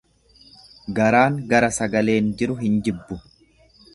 Garaan gara sagaleen jiru hin jibbu.